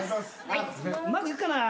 うまくいくかな。